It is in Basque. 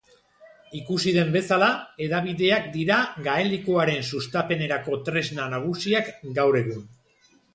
Ikusi den bezala, hedabideak dira gaelikoaren sustapenerako tresna nagusiak gaur egun.